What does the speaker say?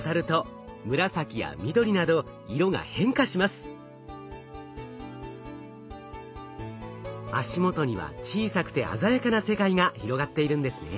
足元には小さくて鮮やかな世界が広がっているんですね。